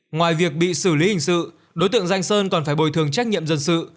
ngoài việc bị xử lý hình sự đối tượng danh sơn còn phải bồi thường trách nhiệm dân sự